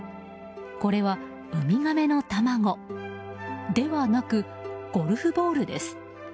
これはウミガメの卵ではなくゴルフボールです。